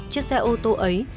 chiếc xe ô tô ấy